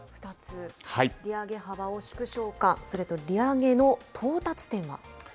利上げ幅を縮小か、それから利上げの到達点は。